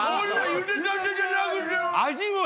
ゆでたてじゃなくても！